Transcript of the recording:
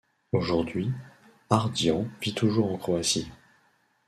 Aujourd’hui, Ardian vit toujours en Croatie.